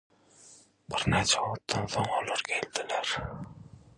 ökdelik, geň wakalary gurmak arkaly okyjyny gyzykdyryp bilmek.